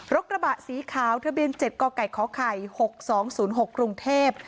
กระบะสีขาวทะเบียน๗กไก่ขไข่๖๒๐๖กรุงเทพฯ